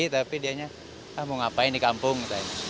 tapi dianya ah mau ngapain di kampung